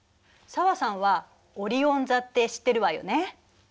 紗和さんはオリオン座って知ってるわよね。